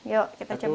yuk kita coba